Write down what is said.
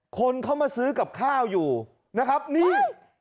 คนเข้ามาซื้อกับข้าวอยู่นะครับนี่